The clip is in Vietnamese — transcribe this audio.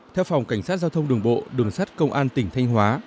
theo phòng cảnh sát giao thông đường bộ đường sắt công an tỉnh thanh hóa